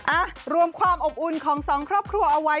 อ่ะรวมความอบอุ่นของสองครอบครัวเอาไว้